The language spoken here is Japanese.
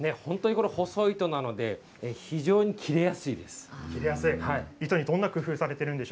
細い糸なので非常に切れやすいんです。